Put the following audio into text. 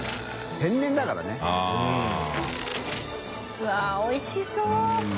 うわっおいしそう！